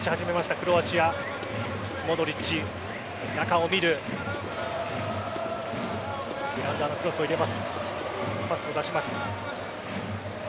グラウンダーのクロスを入れます。